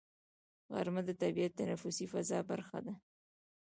غرمه د طبیعي تنفسي فضا برخه ده